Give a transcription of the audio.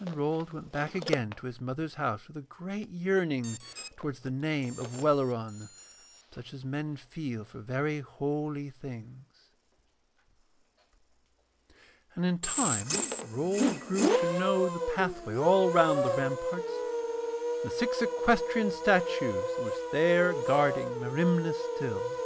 And Rold went back again to his mother's house with a great yearning towards the name of Welleran, such as men feel for very holy things. And in time Rold grew to know the pathway all round the ramparts, and the six equestrian statues that were there guarding Merimna still.